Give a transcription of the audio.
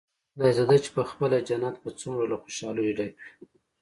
خدايزده چې پخپله جنت به څومره له خوشاليو ډک وي.